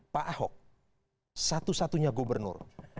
pak ahok satu satunya gubernur